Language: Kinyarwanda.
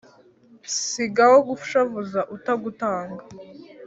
sigaho gushavuza utagutanga